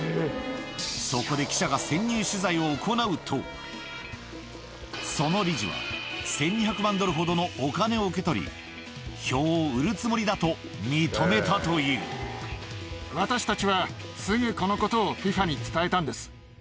そこで、記者が潜入取材を行うと、その理事は、１２００万ドルほどのお金を受け取り、票を売るつもりだと認めた私たちは、すぐこのことをＦＩＦＡに伝えたんです。